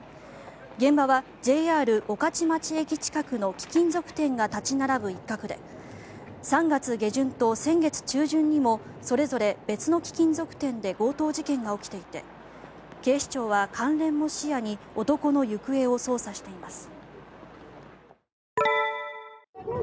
現場はＪＲ御徒町駅近くの貴金属店が立ち並ぶ一角で３月下旬と先月中旬にもそれぞれ別の貴金属店で強盗事件が起きていて警視庁は関連も視野に男の行方を捜査しています。